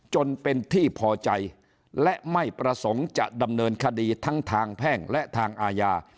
จนเป็นที่พอใจและไม่ประสงค์จะดำเนินคดีทั้งทางแพ่งและทางอาญา